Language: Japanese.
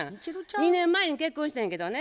２年前に結婚してんけどね。